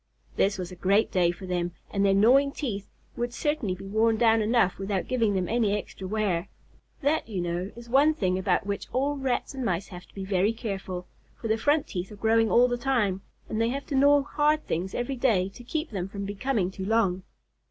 This was a great day for them, and their gnawing teeth would certainly be worn down enough without giving them any extra wear. That, you know, is one thing about which all Rats and Mice have to be very careful, for their front teeth are growing all the time, and they have to gnaw hard things every day to keep them from becoming too long.